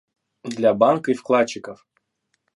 Для банка и вкладчиков.